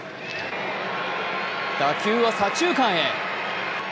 打球は左中間へ。